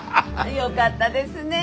よかったですねえ。